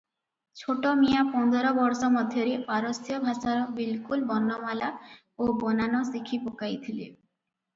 ଛୋଟମିଆଁ ପନ୍ଦର ବର୍ଷ ମଧ୍ୟରେ ପାରସ୍ୟ ଭାଷାର ବିଲକୁଲ ବର୍ଣ୍ଣମାଳା ଓ ବନାନ ଶିଖିପକାଇଥିଲେ ।